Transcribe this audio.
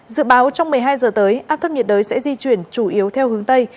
dự báo trong một mươi hai giờ tới áp thấp nhiệt đới sẽ di chuyển chủ yếu theo hướng tây